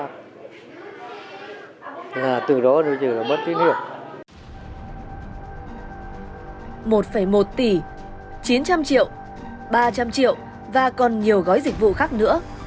một một tỷ chín trăm linh triệu ba trăm linh triệu và còn nhiều gói dịch vụ khác nữa